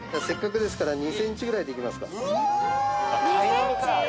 せっかくですから２ｃｍぐらいでいきますか。